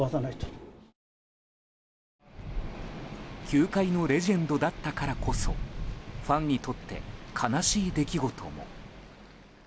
球界のレジェンドだったからこそファンにとって悲しい出来事も。